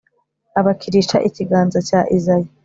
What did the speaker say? abakirisha ikiganza cya izayi